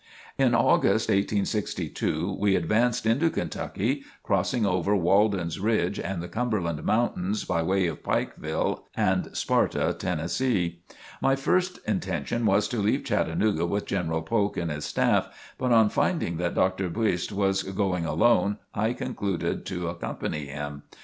In August 1862 we advanced into Kentucky, crossing over Walden's Ridge and the Cumberland Mountains by way of Pikeville and Sparta, Tennessee. My first intention was to leave Chattanooga with General Polk and his staff, but on finding that Dr. Buist was going alone, I concluded to accompany him.